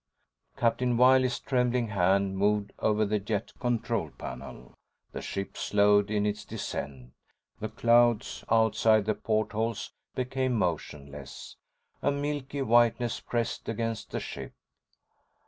Captain Wiley's trembling hand moved over the jet control panel. The ship slowed in its descent. The clouds outside the portholes became motionless, a milky whiteness pressed against the ship.